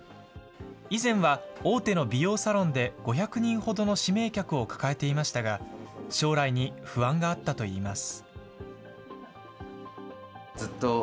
以前は大手の美容サロンで５００人ほどの指名客を抱えていましたが、将来に不安があったといいます。